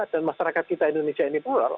dan masyarakat kita indonesia ini plural